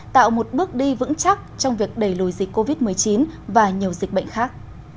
tạo một bước đi vững chắc trong việc đẩy lùi dịch covid một mươi chín và nhiều dịch bệnh khác